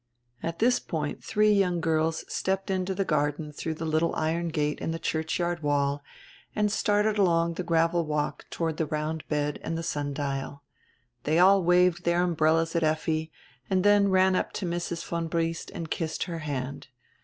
At this point three young girls stepped into the garden through die little iron gate in the churchyard wall and started along die gravel walk toward die round hed and die sundial. They all waved dieir unihrellas at Effi and dien ran up to Mrs. von Briest and kissed her hand.